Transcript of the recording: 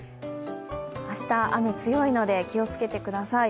明日、雨強いので気をつけてください。